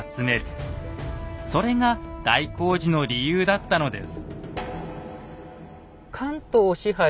それが大工事の理由だったのです。